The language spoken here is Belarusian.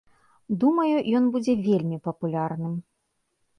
Думаю, ён будзе вельмі папулярным.